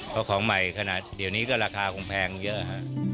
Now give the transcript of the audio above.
เพราะของใหม่ขนาดเดี๋ยวนี้ก็ราคาคงแพงเยอะฮะ